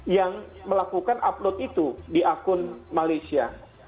yang melakukan upload itu di akun malaysia